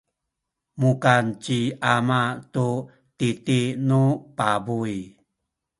mukan ci ama tu titi nu pabuy.